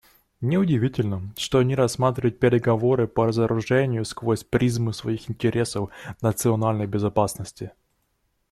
Неудивительно, что они рассматривают переговоры по разоружению сквозь призму своих интересов национальной безопасности.